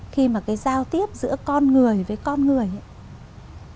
khi mà cái giao tiếp giữa con người với con người ấy